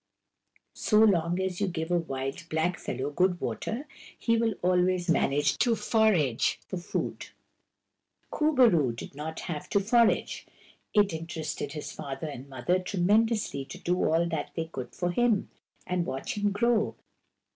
So long as you give a wild blackfellow good water he will always manage to forage for food. Kur bo roo did not have to forage. It inter ested his father and mother tremendously to do all that they could for him, and watch him grow.